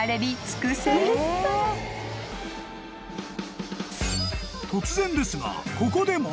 ［突然ですがここで問題］